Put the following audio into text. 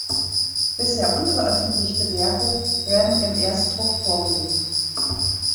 Bisher unveröffentlichte Werke werden im Erstdruck vorgelegt.